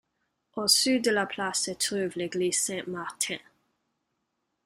Au sud de la place se trouve l'église Saint-Martin.